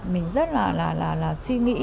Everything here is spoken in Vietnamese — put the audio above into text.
mình rất là suy nghĩ